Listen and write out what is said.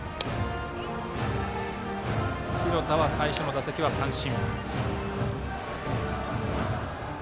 廣田は最初の打席は三振。